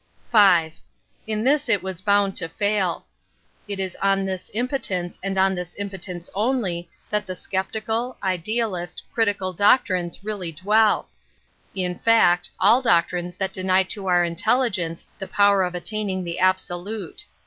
V. In this it was bound to faiL It is on this impotence and on this impotence only that the sceptical, idealist, critical doctrines really dwell : in fact, all doctrines that deny to our intelligence the power of attaining the absolute.